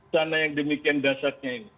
sana yang demikian dasarnya ini